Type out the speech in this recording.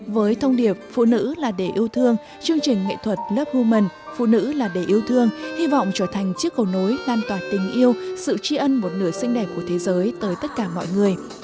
với thông điệp phụ nữ là để yêu thương chương trình nghệ thuật lov human phụ nữ là để yêu thương hy vọng trở thành chiếc cầu nối lan tỏa tình yêu sự tri ân một nửa xinh đẹp của thế giới tới tất cả mọi người